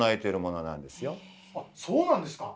そうなんですか？